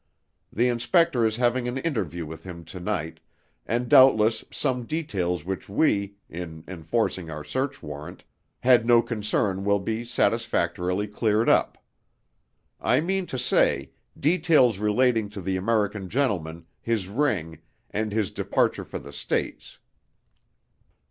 The inspector is having an interview with him to night, and doubtless some details with which we, in enforcing our search warrant, had no concern will be satisfactorily cleared up. I mean to say, details relating to the American gentleman, his ring, and his departure for the States.